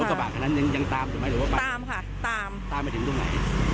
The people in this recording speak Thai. กระบะคันนั้นยังยังตามอยู่ไหมหรือว่าตามค่ะตามตามไปถึงตรงไหน